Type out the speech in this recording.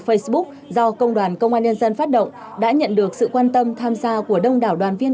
facebook do công đoàn công an nhân dân phát động đã nhận được sự quan tâm tham gia của đông đảo đoàn viên